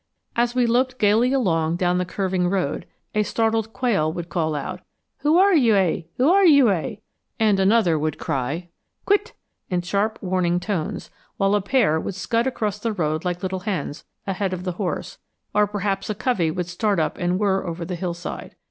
As we loped gayly along down the curving road, a startled quail would call out, "Who are you' ah? who are you' ah?" and another would cry "quit" in sharp warning tones; while a pair would scud across the road like little hens, ahead of the horse; or perhaps a covey would start up and whirr over the hillside.